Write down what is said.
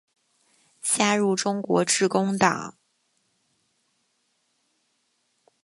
加入中国致公党。